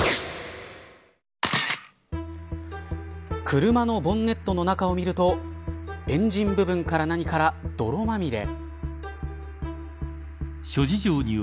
車のボンネットの中を見るとエンジン部分から何から泥まみれ。